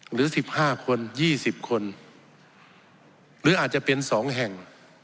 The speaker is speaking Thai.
หรือ๑๕คน๒๐คนหรืออาจจะเป็น๒แห่ง